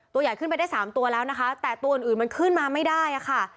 ตัวใหญ่ขึ้นไปได้สามตัวแล้วนะคะแต่ตัวอื่นมันขึ้นมาไม่ได้อะค่ะ